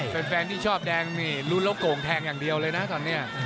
แฟนที่ชอบแดงนี่ลุ้นแล้วโก่งแทงอย่างเดียวเลยนะตอนนี้